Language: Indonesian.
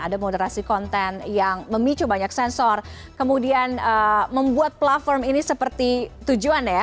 ada moderasi konten yang memicu banyak sensor kemudian membuat platform ini seperti tujuan ya